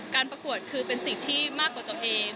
ประกวดคือเป็นสิ่งที่มากกว่าตัวเอง